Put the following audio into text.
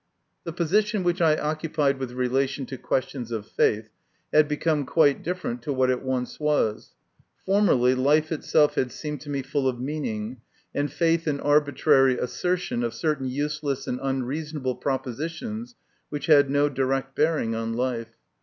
The position which I occupied with relation to questions of faith had become quite different to what it once was. Formerly, life itself had seemed to me full of meaning, and faith an arbitrary assertion of certain useless and unreasonable propositions which had no direct bearing on life.